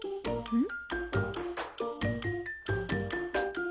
うん。